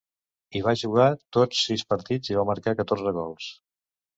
Hi va jugar tots sis partits, i va marcar catorze gols.